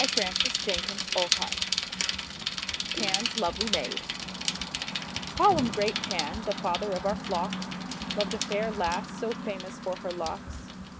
142 THE WONDER GARDEN PAN'S LOVELY MAID WHILOM great Pan, the father of our flocks, loved a fair lass so famous for her locks.